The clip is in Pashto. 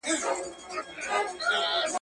خلك پوه سول چي خبره د قسمت ده.